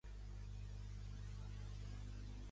Levice és el lloc de naixement de Kinga Pavlikova.